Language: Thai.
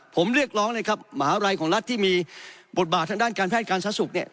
ผมเรียกร้องเลยครับมหาวิทยาลัยของรัฐที่มีบทบาททางด้านการแพทย์การสาธารณสุขเนี่ย